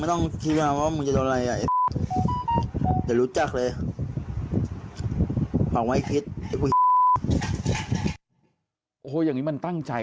โอ้โหอย่างนี้มันตั้งใจ